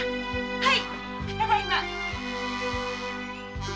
はい。